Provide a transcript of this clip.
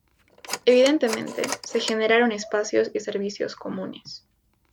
Evidentemente se generaron espacios y servicios comunes.